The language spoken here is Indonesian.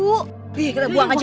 iya kita buang aja